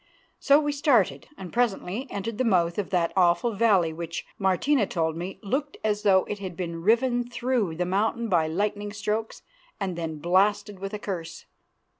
So we started, and presently entered the mouth of that awful valley which, Martina told me, looked as though it had been riven through the mountain by lightning strokes and then blasted with a curse.